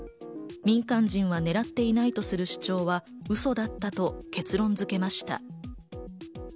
民間人は狙っていないとする主張はウソだったと結論付けました。